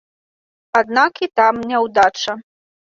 Аднак і там няўдача.